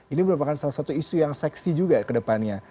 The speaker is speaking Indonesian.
ini merupakan salah satu isu yang seksi juga kedepannya